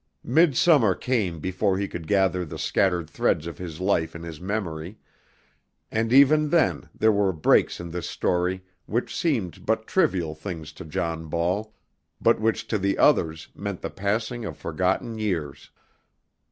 Midsummer came before he could gather the scattered threads of his life in his memory, and even then there were breaks in this story which seemed but trivial things to John Ball, but which to the others meant the passing of forgotten years.